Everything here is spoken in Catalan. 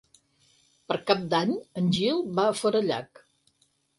Per Cap d'Any en Gil va a Forallac.